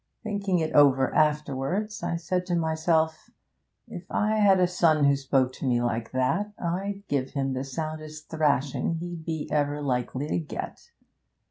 Thinking it over afterwards, I said to myself: If I had a son who spoke to me like that, I'd give him the soundest thrashing he'd be ever likely to get.